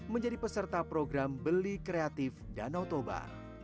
menjadi peserta program beli kreatif danau toba